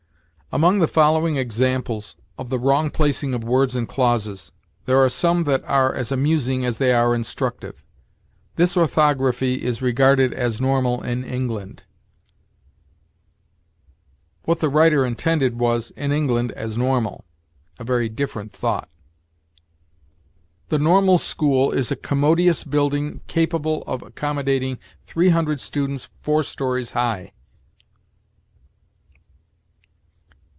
Among the following examples of the wrong placing of words and clauses, there are some that are as amusing as they are instructive: "This orthography is regarded as normal in England." What the writer intended was, "in England as normal" a very different thought. "The Normal School is a commodious building capable of accommodating three hundred students four stories high."